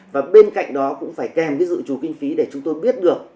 và bên cạnh đó cũng phải kèm cái dự trù kinh phí để chúng tôi biết được